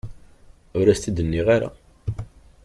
Ur as-t-id nniɣ ara.